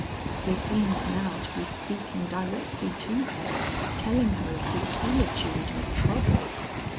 He seemed now to be speaking directly to her, telling her of his solitude and trouble.